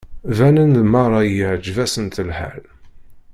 Banent-d merra iεǧeb-asent lḥal.